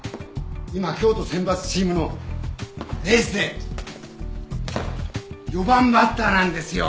今京都選抜チームのエースで四番バッターなんですよ。